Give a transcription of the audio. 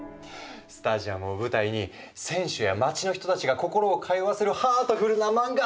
スタジアムを舞台に選手や街の人たちが心を通わせるハートフルな漫画！